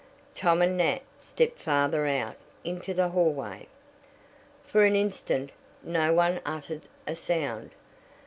Tom and Nat stepped farther out into the hallway. For an instant no one uttered a sound.